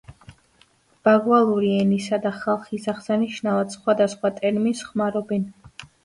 ბაგვალური ენისა და ხალხის აღსანიშნავად სხვადასხვა ტერმინს ხმარობენ.